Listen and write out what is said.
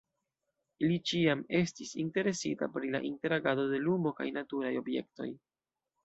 Li ĉiam estas interesita pri la interagado de lumo kaj naturaj objektoj.